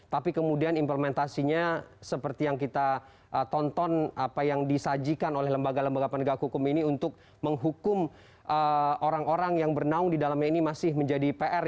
tapi kemudian implementasinya seperti yang kita tonton apa yang disajikan oleh lembaga lembaga penegak hukum ini untuk menghukum orang orang yang bernaung di dalamnya ini masih menjadi pr